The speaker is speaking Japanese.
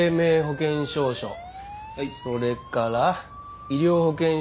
それから医療保険証書。